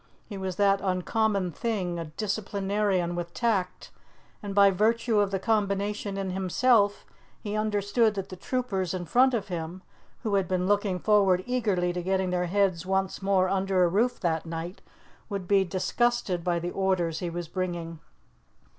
He was that uncommon thing, a disciplinarian with tact, and by virtue of the combination in himself he understood that the troopers in front of him, who had been looking forward eagerly to getting their heads once more under a roof that night, would be disgusted by the orders he was bringing.